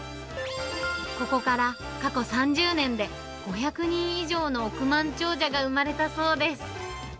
ここから過去３０年で、５００人以上の億万長者が生まれたそうです。